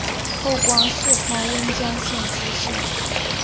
后官四川温江县知县。